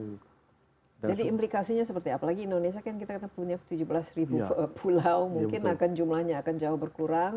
jadi implikasinya seperti apa lagi indonesia kan kita punya tujuh belas pulau mungkin akan jumlahnya akan jauh berkurang